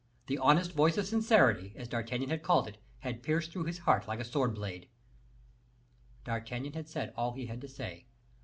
The honest voice of sincerity, as D'Artagnan had called it, had pierced through his heart like a sword blade. D'Artagnan had said all he had to say.